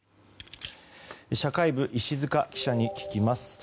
社会部石塚記者に聞きます。